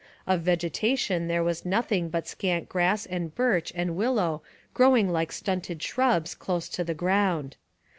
Of vegetation there was nothing but scant grass and birch and willow growing like stunted shrubs close to the ground.